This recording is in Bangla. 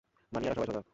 মানিয়ারা সবাই সজাগ!